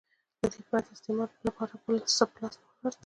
له دې پرته استعمار لپاره بل څه په لاس نه ورتلل.